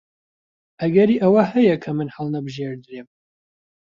ئەگەری ئەوە هەیە کە من هەڵنەبژێردرێم.